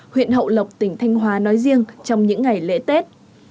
huyện hậu lộc tỉnh thanh hóa nói riêng trong những ngày lễ tết